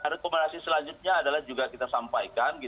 rekomendasi selanjutnya adalah juga kita sampaikan